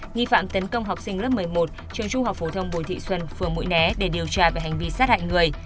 nghi phạm tấn công học sinh lớp một mươi một trường trung học phổ thông bùi thị xuân phường mũi né để điều tra về hành vi sát hại người